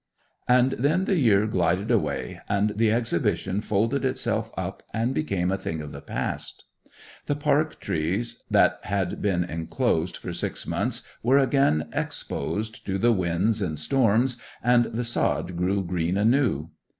And then the year glided away, and the Exhibition folded itself up and became a thing of the past. The park trees that had been enclosed for six months were again exposed to the winds and storms, and the sod grew green anew.